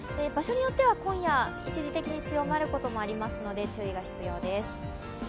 場所によっては今夜、一時的に強まることもありますので注意が必要です。